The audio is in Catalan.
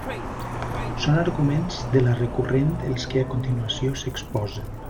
Són arguments de la recurrent els que a continuació s'exposen.